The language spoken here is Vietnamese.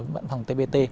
văn phòng tptpp